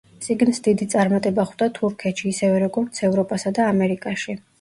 წიგნს დიდი წარმატება ხვდა თურქეთში ისევე როგორც ევროპასა და ამერიკაში.